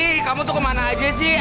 eh kamu tuh kemana aja sih